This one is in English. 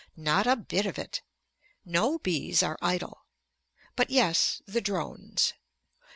Not a bit of it. No bees are idle. But yes, the drones.